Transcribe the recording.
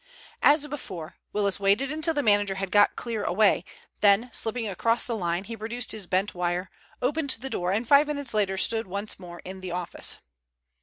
As before, Willis waited until the manager had got clear away, then slipping across the line, he produced his bent wire, opened the door, and five minutes later stood once more in the office.